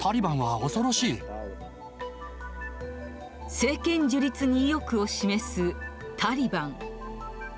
政権樹立に意欲を示すタリバン。